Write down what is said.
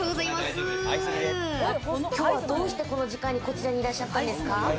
きょうはどうしてこの時間にこちらにいらっしゃったんですか？